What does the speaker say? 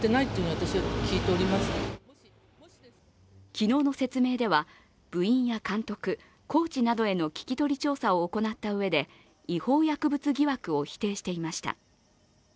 昨日の説明では、部員や監督コーチなどへの聞き取り調査を行ったうえで違法薬物疑惑を否定していました。